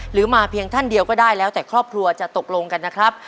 มาเพียงท่านเดียวก็ได้แล้วแต่ครอบครัวจะตกลงกันนะครับ